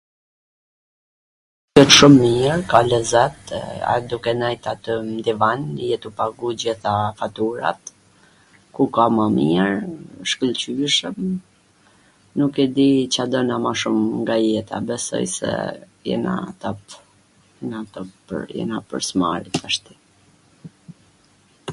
wsht shum mir, ka lezet, a duke nejt aty n divan je tu pagu gjitha faturat, ku ka ma mir, shkwlqyshwm, nuk e di Ca dona ma shum nga jeta, besoj se jena top, jena top, jena pwr s mari tashti